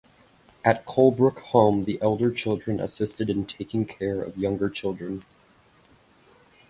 At Colebrook Home the elder children assisted in taking care of younger children.